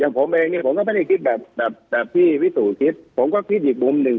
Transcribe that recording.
อย่างผมเองเราก็ก็ไม่ได้คิดแบบพี่ฟิ้ดสู่ผมก็คิดอีกมุมหนึ่ง